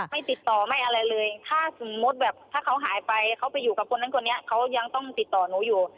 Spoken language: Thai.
ไม่ติดต่อไม่อะไรเลยถ้าสมมุติแบบถ้าเขาหายไปเขาไปอยู่กับคนนั้นคนนี้เขายังต้องติดต่อหนูอยู่